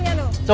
nah itu dia tuh